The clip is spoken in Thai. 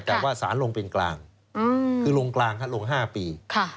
แต่ว่าสารลงเป็นกลางคือลงกลางลง๕ปี